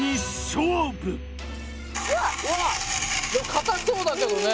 固そうだけどね